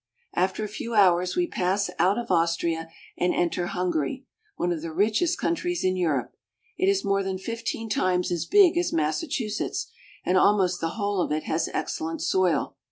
After a few hours we pass out of Austria and enter Hungary, one of the richest countries in Europe. It is more than fifteen times as big as Massachusetts; and al most the whole of it has excellent soil.